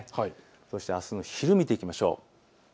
そしてあすの昼を見ていきましょう。